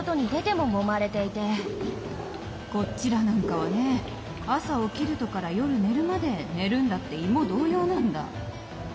こっちらなんかはねえ朝起きるとから夜寝るまで寝るんだって芋同様なんだ。